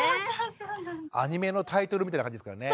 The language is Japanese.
アニメのタイトルみたいな感じですからね。